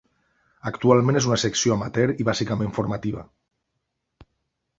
Actualment és una secció amateur i bàsicament formativa.